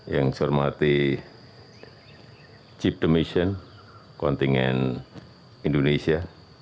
yang saya hormati cip demisien kontingen indonesia